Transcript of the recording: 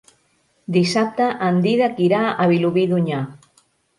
Dissabte en Dídac irà a Vilobí d'Onyar.